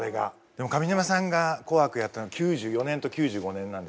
でも上沼さんが「紅白」やったの９４年と９５年なんですよ。